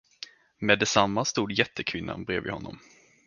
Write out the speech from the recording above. Med detsamma stod jättekvinnan bredvid honom.